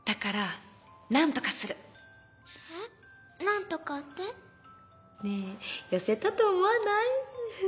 何とかって？ねぇ痩せたと思わない？